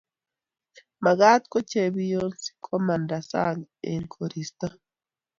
makat ko chepiywonsikomanda sang eng koristo